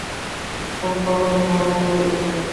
কোন পাগলে তোমাকে এমন বুদ্ধি দিল?